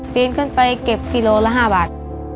ปีนขึ้นไปเก็บกิโลละ๕บาท